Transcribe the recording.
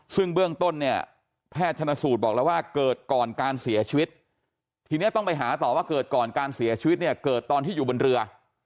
ซึ่งเบื้องต้นเนี่ยแพทย์ชนสูตรบอกแล้วว่าเกิดก่อนการเสียชีวิตทีนี้ต้องไปหาต่อว่าเกิดก่อนการเสียชีวิตเนี่ยเกิดตอนที่อยู่บนเรือ